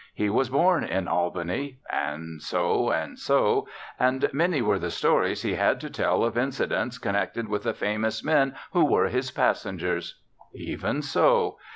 He was born in Albany," and so and so, "and many were the stories he had to tell of incidents connected with the famous men who were his passengers." Even so.